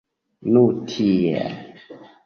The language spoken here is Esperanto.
Nu tiel.